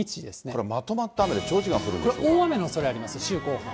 これ、まとまった雨で、長時大雨のおそれあります、週後半。